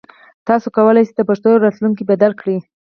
تاسو کولای شئ د پښتو راتلونکی بدل کړئ.